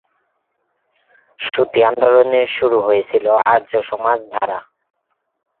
শুদ্ধি আন্দোলন শুরু হয়েছিল আর্য সমাজ দ্বারা।